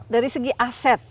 dari segi aset